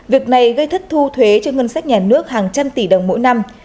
việc này gây thất thu thuế cho ngân sách nhà nước hàng trăm tỷ đồng mỗi năm